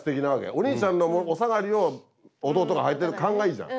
お兄ちゃんのお下がりを弟がはいてる感がいいじゃん。